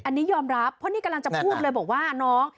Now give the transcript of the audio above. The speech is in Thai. อันนี้ยอมรับเพราะนี่กำลังจะพูดเลยบอกว่าน้อง